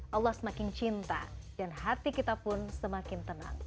allah semakin cinta dan hati kita pun semakin tenang